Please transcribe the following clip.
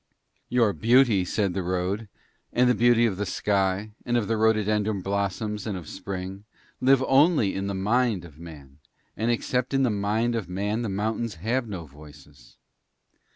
'Your beauty,' said the road, 'and the beauty of the sky, and of the rhododendron blossom and of spring, live only in the mind of Man, and except in the mind of Man the mountains have no voices.